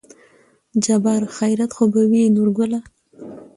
جبار : خېرت خو به وي نورګله